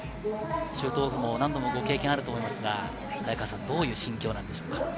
シュートオフも何度もご経験あると思いますが、早川さん、どういう心境でしょうか？